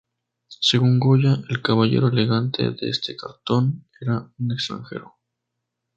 Según Goya, el caballero elegante de este cartón era un extranjero.